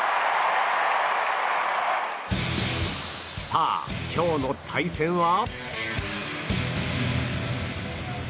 さあ、今日の対戦は。